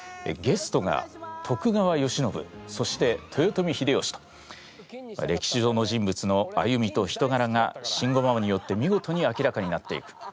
ゲストが徳川慶喜そして豊臣秀吉と歴史上の人物の歩みと人柄が慎吾ママによって見事に明らかになっていく。